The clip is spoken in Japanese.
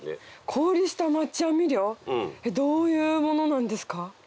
氷下待ち網漁どういうものなんですか？